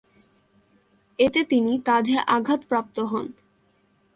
এতে তিনি কাঁধে আঘাতপ্রাপ্ত হন।